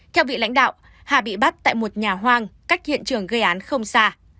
theo vị lãnh đạo hà bị bắt tại một nhà hoang cách hiện trường gây án không xa